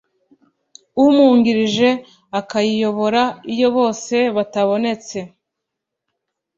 umwungirije akayiyobora iyo bose batabonetse